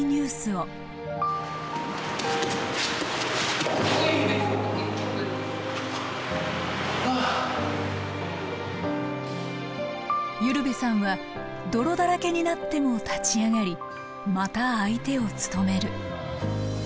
戦時下の由留部さんは泥だらけになっても立ち上がりまた相手を務める。